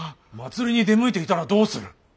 祭りに出向いていたらどうする。